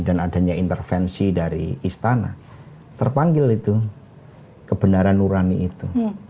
dan adanya intervensi dari istana terpanggil itu kebenaran nurani itu